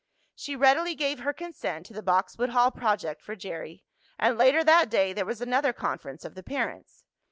She readily gave her consent to the Boxwood Hall project for Jerry, and later that day there was another conference of the parents.